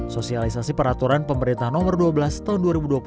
sosialisasi peraturan pemerintah nomor dua belas tahun dua ribu dua puluh